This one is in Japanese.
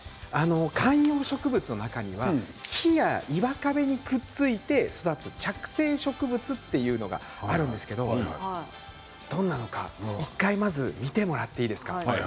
観葉植物の中には木や岩壁について育つ着生植物があるんですけどどんなものか１回見てもらっていいですか。